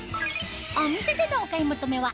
お店でのお買い求めは